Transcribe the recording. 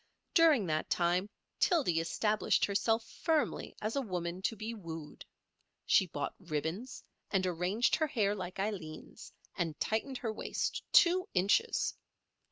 During that time Tildy established herself firmly as a woman to be wooed. She bought ribbons, and arranged her hair like Aileen's, and tightened her waist two inches.